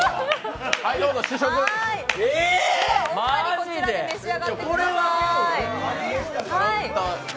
こちらで召し上がってください。